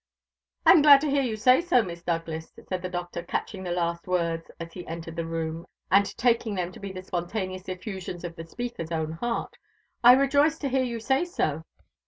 '" "I'm glad to hear you say so, Miss Douglas," said the Doctor, catching the last words as he entered the room, and taking them to be the spontaneous effusions of the speaker's own heart; "I rejoice to hear you say so.